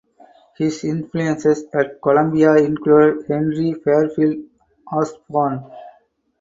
His influences at Columbia included Henry Fairfield Osborn.